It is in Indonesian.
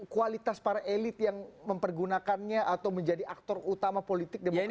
kualitas para elit yang mempergunakannya atau menjadi aktor utama politik demokrasi